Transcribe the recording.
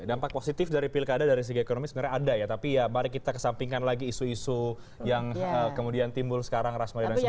dampak positif dari pilkada dari segi ekonomi sebenarnya ada ya tapi ya mari kita kesampingkan lagi isu isu yang kemudian timbul sekarang rasma dan sebagainya